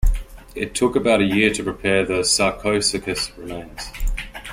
It took about a year to prepare the "Sarcosuchus" remains.